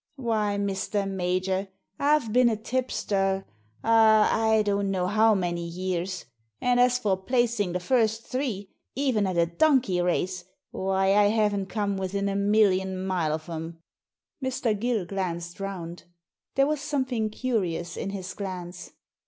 Why, Mr. Major, I've been a tipster — ah, I don't know how many years — and as for placing the first three, even at a donkey race, why, I haven't come within a million mile of 'em." Mr. Gill glanced round There was something curious in his glance.